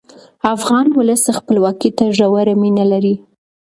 افغان ولس خپلواکۍ ته ژوره مینه لري.